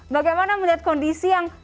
bagaimana melihat kondisi yang